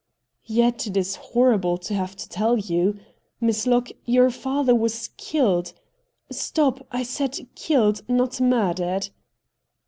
' Yet it is horrible to have to tell you. Miss Locke, your father was killed. Stop — I said " killed," not murdered.'